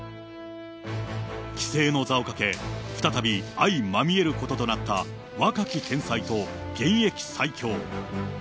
棋聖の座をかけ、再びあいまみえることとなった若き天才と現役最強。